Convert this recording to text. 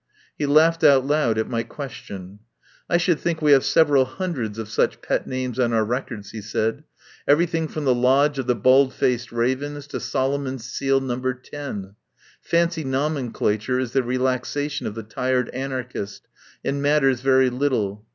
He laughed out loud at my question. "I should think we have several hundreds of such pet names on our records," he said. "Everything from the Lodge of the Baldfaced Ravens to Solomon's Seal No. X. Fancy no menclature is the relaxation of the tired an archist, and matters very little.